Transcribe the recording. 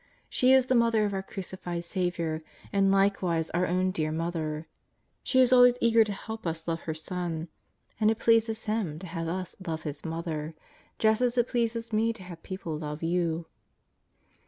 She is the Mother of our Crucified Saviour, and likewise our own dear Mother. She is always eager to help us love her Son. And it pleases Him to have us love His Mother, just as it pleases me to have people love you.